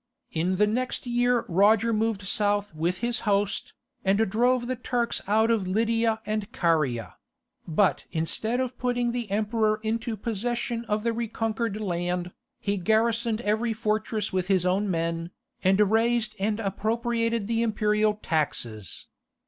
In the next year Roger moved south with his host, and drove the Turks out of Lydia and Caria; but instead of putting the emperor into possession of the reconquered land, he garrisoned every fortress with his own men, and raised and appropriated the imperial taxes.